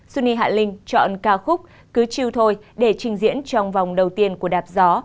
suni hạ linh chọn ca khúc cứ chiêu thôi để trình diễn trong vòng đầu tiên của đạp gió